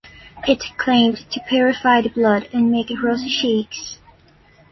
It claimed to purify the blood and make rosy cheeks.